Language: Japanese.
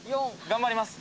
頑張ります。